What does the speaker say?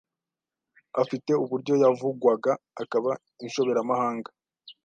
afite uburyo yavugwaga akaba inshobera mahanga